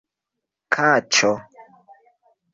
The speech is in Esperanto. kaĉo